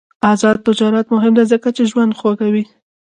آزاد تجارت مهم دی ځکه چې ژوند خوږوي.